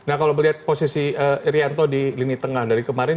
nah kalau melihat posisi irianto di lini tengah dari kemarin